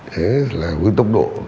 thế là với tốc độ